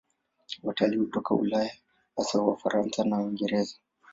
Watalii hutoka Ulaya, hasa Wafaransa na Waingereza.